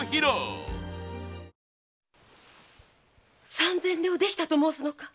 三千両できたと申すのか？